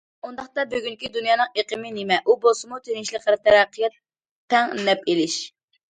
ئۇنداقتا بۈگۈنكى دۇنيانىڭ ئېقىمى نېمە؟ ئۇ بولسىمۇ تىنچلىق، تەرەققىيات، تەڭ نەپ ئېلىش.